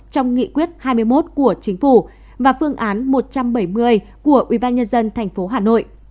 trong nghị quyết hai mươi một của chính phủ và phương án một trăm bảy mươi của ubnd tp hà nội